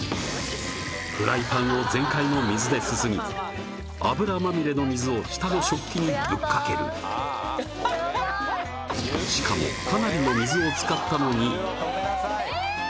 フライパンを全開の水ですすぎ油まみれの水を下の食器にぶっかけるやばいしかもかなりの水を使ったのにええー？